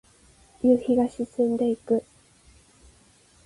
夕日が沈んでいく。